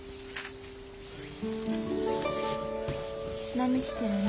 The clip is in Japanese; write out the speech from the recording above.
何してるの？